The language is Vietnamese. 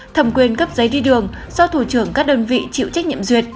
thẩm quyền cấp giấy đi đường do thủ trưởng các đơn vị chịu trách nhiệm duyệt